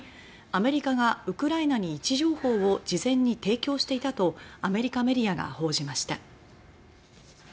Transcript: アメリカがウクライナに位置情報を事前に提供していたとアメリカメディアが報じました。